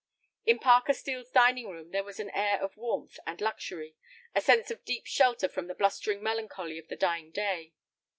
In Parker Steel's dining room there was an air of warmth and luxury, a sense of deep shelter from the blustering melancholy of the dying day.